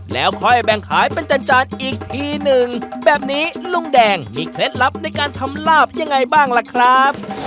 แล้วค่อยแบ่งขายเป็นจานจานอีกทีหนึ่งแบบนี้ลุงแดงมีเคล็ดลับในการทำลาบยังไงบ้างล่ะครับ